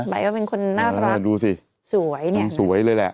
ไอก็เป็นคนน่ารักดูสิสวยเนี่ยสวยเลยแหละ